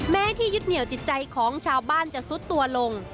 ที่ยึดเหนียวจิตใจของชาวบ้านจะซุดตัวลง